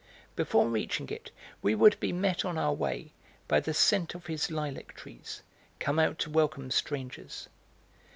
Before reaching it we would be met on our way by the scent of his lilac trees, come out to welcome strangers.